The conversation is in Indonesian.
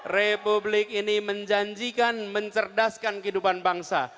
republik ini menjanjikan mencerdaskan kehidupan bangsa